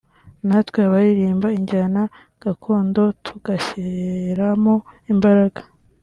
natwe abaririmba injyana gakondo tugashyiramo imbaraga